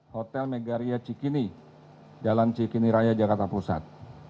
hotel megaria cikini jalan cikini raya jakarta pusat